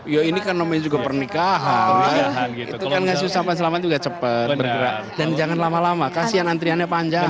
ya ini kan namanya juga pernikahan itu kan ngasih ucapan selamat juga cepat bergerak dan jangan lama lama kasihan antriannya panjang